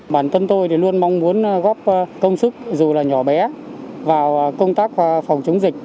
bản thân tôi thì luôn mong muốn góp công sức dù là nhỏ bé vào công tác phòng chống dịch